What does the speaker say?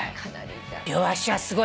両足はすごい。